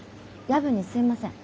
夜分にすいません。